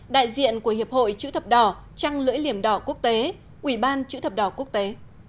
đại diện của hiệp hội chữ thập đỏ trăng lưỡi liềm đỏ quốc tế ủy ban chữ thập đỏ quốc tế